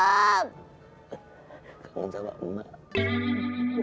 kangen sama mak